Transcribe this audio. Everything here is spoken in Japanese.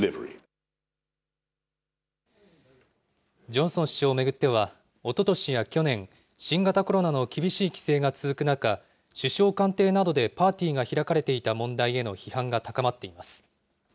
ジョンソン首相を巡っては、おととしや去年、新型コロナの厳しい規制が続く中、首相官邸などでパーティーが開かれていた問題への批判が高まっています。